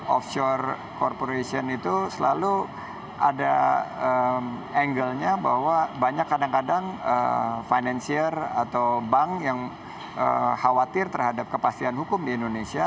offshore corporation itu selalu ada angle nya bahwa banyak kadang kadang financier atau bank yang khawatir terhadap kepastian hukum di indonesia